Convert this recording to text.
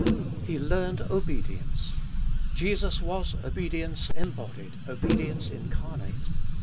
4. He learned obedience. Jesus was obedience embodied, obedience incarnate.